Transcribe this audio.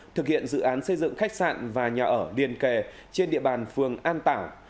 thực hiện dự án xây dựng khách sạn và nhà ở liền kề trên địa bàn phường an tảo